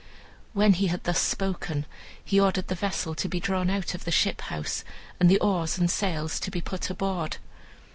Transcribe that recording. When he had thus spoken, he ordered the vessel to be drawn out of the shiphouse, and the oars and sails to be put aboard.